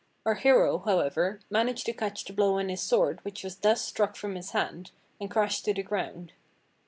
Our hero, however, managed to catch the blow on his sword which was thus struck from his hand, and crashed to the ground.